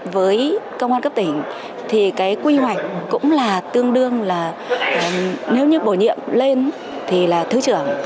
với công an cấp tỉnh thì cái quy hoạch cũng là tương đương là nếu như bổ nhiệm lên thì là thứ trưởng